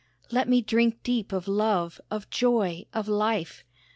Let me drink deep of love, of joy, of life.